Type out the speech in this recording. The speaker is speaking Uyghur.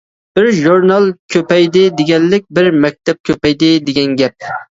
بىر ژۇرنال كۆپەيدى دېگەنلىك، بىر مەكتەپ كۆپەيدى دېگەن گەپ!